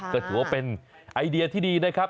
ก็ถือว่าเป็นไอเดียที่ดีนะครับ